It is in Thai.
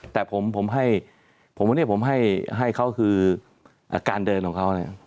แต่ผมให้ผมวันนี้ผมให้เขาคือการเดินของเขาเนี่ย